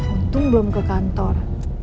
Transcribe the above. untung belum ke kantor